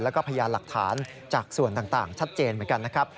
แล้วก็พยานหลักฐานจากส่วนต่างชัดเจนเหมือนกันนะครับ